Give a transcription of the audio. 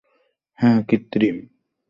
হ্যাঁ, কৃত্রিম।